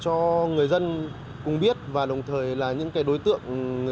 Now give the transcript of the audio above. thời là những người dân cũng biết và đồng thời là những người dân cũng biết và đồng thời là những người